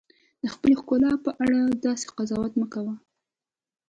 د خپلې ښکلا په اړه داسې قضاوت مه کوئ.